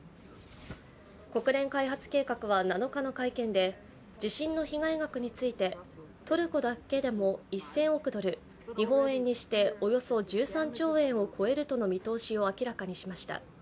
国連開発計画は７日の会見で地震の被害額についてトルコだけでも１０００億ドル日本円にしておよそ１３兆円を超えるとの見通しを明らかにしました。